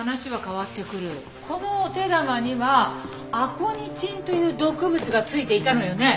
このお手玉にはアコニチンという毒物が付いていたのよね？